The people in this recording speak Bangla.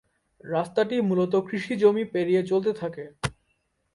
রাস্তাটি মুলত কৃষিজমি পেরিয়ে চলতে থাকে।